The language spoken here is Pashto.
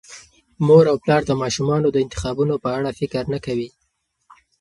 مور او پلار د ماشومانو د انتخابونو په اړه فکر نه کوي.